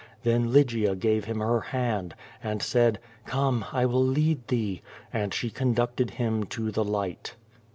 Then Lygia gave him her hand, and said: '*Come, I will lead thee," and she conducted him to the light.